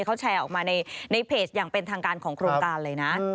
เขาแชร์ออกมาในเพจอย่างเป็นทางการของโครงการเลยนะ